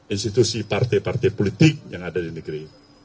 institusi partai partai politik yang ada di negeri